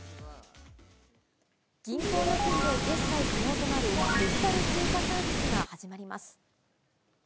銀行預金で決済可能となるデジタル通貨サービスが始まります。